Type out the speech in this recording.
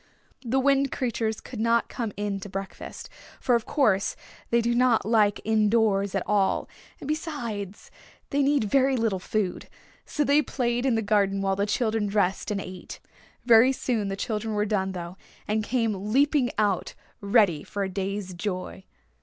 The Wind Creatures would not come in to breakfast, for of course they do not like in doors at all, and besides, they need very little food. So they played in the garden while the children dressed and ate. Very soon the children were done, though, and came leaping out ready for a day's joy.